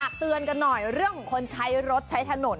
เตือนกันหน่อยเรื่องของคนใช้รถใช้ถนน